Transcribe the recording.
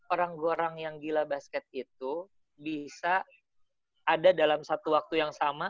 orang orang yang gila basket itu bisa ada dalam satu waktu yang sama